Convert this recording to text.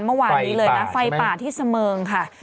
เมื่อวานนี้เลยนะไฟป่าที่เสมิงค่ะ